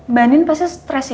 mbak nin pasti stres ya